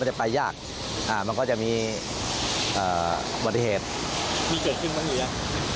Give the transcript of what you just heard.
มันจะไปยากอ่ามันก็จะมีเอ่อปฏิเหตุมีเกิดขึ้นบ้างอย่างเงี้ย